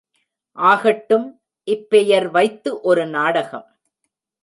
ஆகட்டும், இப்பெயர் வைத்து ஒரு நாடகம்.